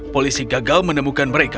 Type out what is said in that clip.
polisi gagal menemukan mereka